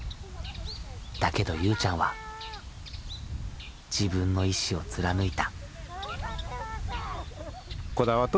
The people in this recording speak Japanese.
だけどゆうちゃんは自分の意志を貫いた。